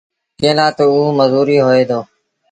ڪݩهݩ لآ تا اوٚ مزوٚر هوئي دو